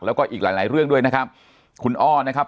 แล้วก็อีกหลายหลายเรื่องด้วยนะครับคุณอ้อนะครับ